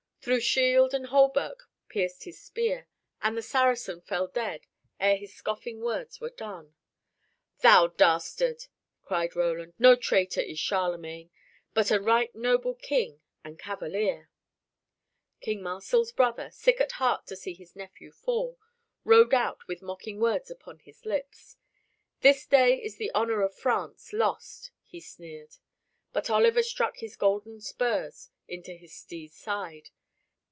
Through shield and hauberk pierced his spear, and the Saracen fell dead ere his scoffing words were done. "Thou dastard!" cried Roland, "no traitor is Charlemagne, but a right noble king and cavalier." King Marsil's brother, sick at heart to see his nephew fall, rode out with mocking words upon his lips. "This day is the honor of France lost," he sneered. But Oliver struck his golden spurs into his steed's side!